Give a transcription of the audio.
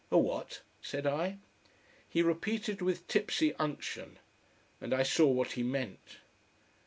"A what?" said I. He repeated with tipsy unction, and I saw what he meant.